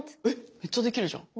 めっちゃできるじゃん。